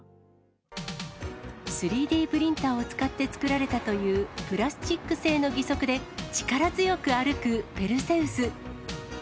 ３Ｄプリンターを使って作られたというプラスチック製の義足で、力強く歩くペルセウス。